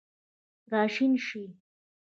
راشین شي